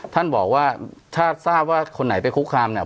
ท่านบอกว่าถ้าทราบว่าคนไหนไปคุกคามเนี่ย